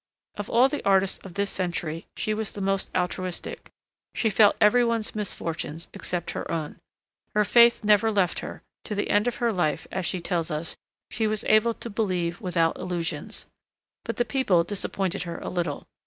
Of all the artists of this century she was the most altruistic; she felt every one's misfortunes except her own. Her faith never left her; to the end of her life, as she tells us, she was able to believe without illusions. But the people disappointed her a little.